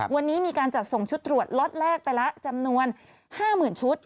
วันนี้มีการจัดส่งชุดตรวจล็อตแรกไปแล้วจำนวน๕๐๐๐ชุด